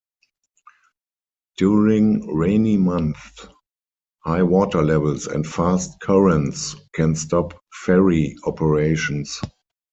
During rainy months, high water levels and fast currents can stop ferry operations.